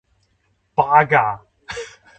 八嘎！